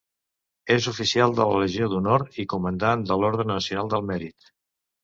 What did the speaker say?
És oficial de la Legió d'Honor i comandant de l'Orde Nacional del Mèrit.